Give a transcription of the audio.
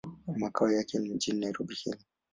Makao yake ni mjini Nairobi, Kenya.